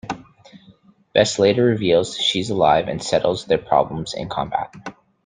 Vess later reveals she's alive and settles their problems in combat.